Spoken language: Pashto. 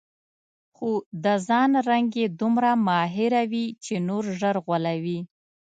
خو د ځان رنګ کې دومره ماهره وي چې نور ژر غولوي.